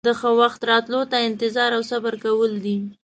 د ښه وخت راتلو ته انتظار او صبر کول دي.